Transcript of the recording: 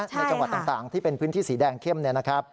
ในจังหวัดต่างที่เป็นพื้นที่สีแดงเข้มเนี่ยนะครับ